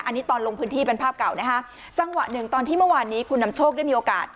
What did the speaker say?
อันนี้ตอนลงพื้นที่เป็นภาพเก่านะฮะจังหวะหนึ่งตอนที่เมื่อวานนี้คุณนำโชคได้มีโอกาส